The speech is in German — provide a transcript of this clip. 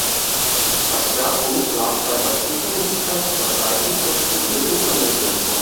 Der Schwerpunkt lag bei der Zugänglichkeit der Seiten für blinde Internetnutzer.